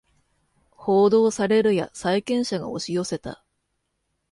報道されるや債権者が押し寄せた